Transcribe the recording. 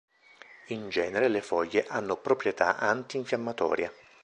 In genere le foglie hanno proprietà antinfiammatoria.